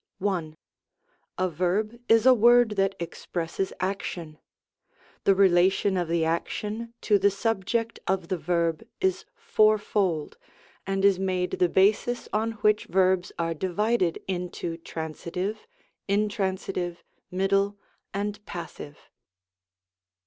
1. A Verb is a word that expresses action. The relation of the action to the subject of the verb is fourfold, and is made the basis on which verbs are di vided into Transitive, Intransitive, Middle, and Pas sive.